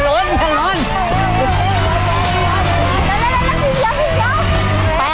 โอ้ยหัว